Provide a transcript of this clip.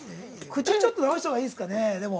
口、ちょっと直したほうがいいですかね、でも。